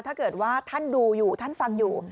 ถ้าเกิดว่าท่านดูอยู่ท่านฟังอยู่